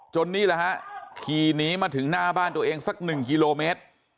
นี่แหละฮะขี่หนีมาถึงหน้าบ้านตัวเองสัก๑กิโลเมตร